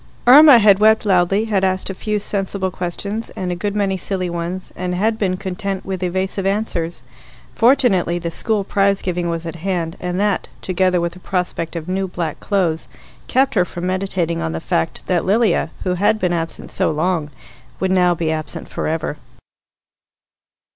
Irma had wept loudly, had asked a few sensible questions and a good many silly ones, and had been content with evasive answers. Fortunately the school prize giving was at hand, and that, together with the prospect of new black clothes, kept her from meditating on the fact that Lilia, who had been absent so long, would now be absent for ever.